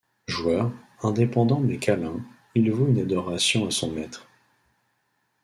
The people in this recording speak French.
Joueur, indépendant mais câlin, il voue une adoration à son maître.